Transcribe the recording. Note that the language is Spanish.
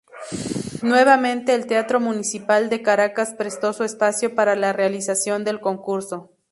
Nuevamente el Teatro Municipal de Caracas prestó su espacio para la realización del concurso.